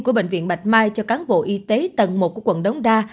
của bệnh viện bạch mai cho cán bộ y tế tầng một của quận đống đa